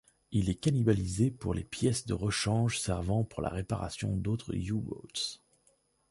Il est cannibalisé pour les pièces de rechange servant pour la réparation d'autres U-Boats.